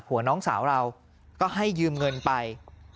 น้องสาวเราก็ให้ยืมเงินไป